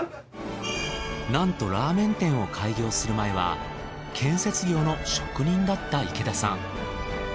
なんとラーメン店を開業する前は建設業の職人だった池田さん。